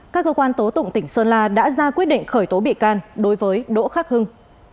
các cơ quan tố tụng tỉnh sơn la đã ra quyết định khởi tố bị can đối với đỗ khắc hưng